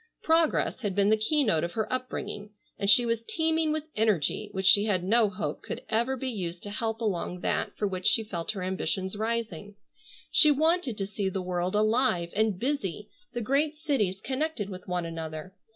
Progress had been the keynote of her upbringing, and she was teeming with energy which she had no hope could ever be used to help along that for which she felt her ambitions rising. She wanted to see the world alive, and busy, the great cities connected with one another.